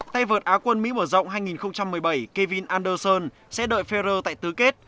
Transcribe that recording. tây vợt á quân mỹ mở rộng hai nghìn một mươi bảy kevin anderson sẽ đợi ferrer tại tứ kết